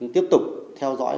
tiếp tục theo dõi